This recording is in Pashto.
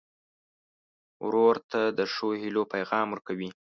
ورور ته د ښو هيلو پیغام ورکوې.